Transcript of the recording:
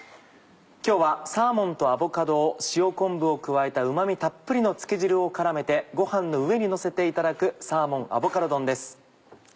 今日はサーモンとアボカドを塩昆布を加えたうま味たっぷりの漬け汁を絡めてご飯の上にのせていただく「サーモンアボカド丼」です。